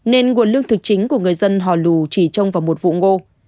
nên nguồn lương thực chính của người dân hò lù chỉ trông vào một vụ ngô